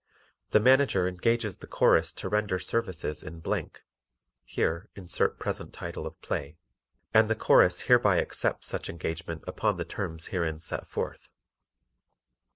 The Manager engages the Chorus to render services in , (Here insert present title of play.) and the Chorus hereby accepts such engagement upon the terms herein set forth.